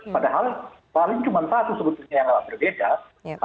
padahal paling cuma satu sebetulnya yang agak berbeda